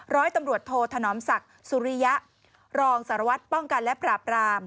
ร้อยตำรวจโทธนอมศักดิ์สุริยะรองสารวัตรป้องกันและปราบราม